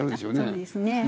そうですね。